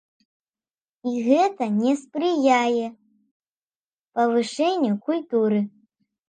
І гэта не спрыяе павышэнню культуры.